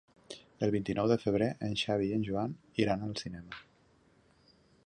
El vint-i-nou de febrer en Xavi i en Joan iran al cinema.